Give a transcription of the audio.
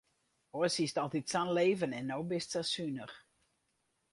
Oars hiest altyd sa'n leven en no bist sa sunich.